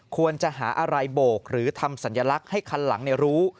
ควรจะหาอะไรโบกหรือทำสัญลักษณ์ให้คันหลังรู้